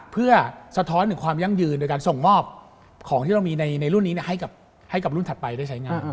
เพื่อสะท้อนถึงความยั่งยืนโดยการส่งมอบของที่เรามีในรุ่นนี้ให้กับรุ่นถัดไปได้ใช้งาน